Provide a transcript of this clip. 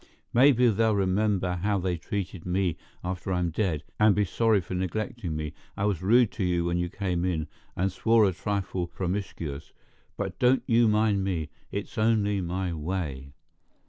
Maybe they'll remember how they treated me after I'm dead, and be sorry for neglecting me, I was rude to you when you came in, and swore a trifle promiscuous: but don't you mind me, it's only my way.